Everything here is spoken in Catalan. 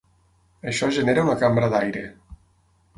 Això genera una cambra d’aire.